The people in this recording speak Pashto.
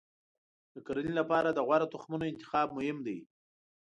د کرنې لپاره د غوره تخمونو انتخاب مهم دی.